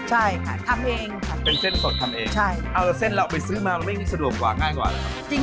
ใช่ค่ะทำเองค่ะเป็นเส้นสดทำเองใช่เอาแต่เส้นเราไปซื้อมามันไม่มีสะดวกกว่าง่ายกว่าครับ